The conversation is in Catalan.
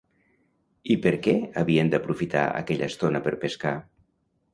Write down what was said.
I per què havien d'aprofitar aquella estona per pescar?